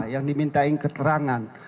yang diminta keterangan